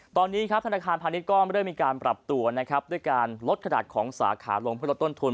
ตอนนี้ครับธนาคารพาณิชย์ก็เริ่มมีการปรับตัวนะครับด้วยการลดขนาดของสาขาลงเพื่อลดต้นทุน